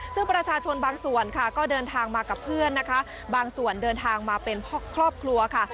ซึ่งประชาชนบางส่วนค่ะก็เดินทางมากับเพื่อนนะคะบางส่วนเดินทางมาเป็นครอบครัวค่ะ